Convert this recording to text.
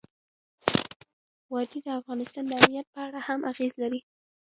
وادي د افغانستان د امنیت په اړه هم اغېز لري.